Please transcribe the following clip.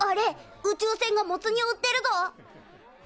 宇宙船がモツ煮を売ってるぞ！